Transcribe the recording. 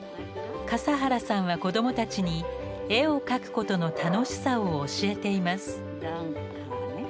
笠原さんは子供たちに絵を描くことの楽しさを教えています。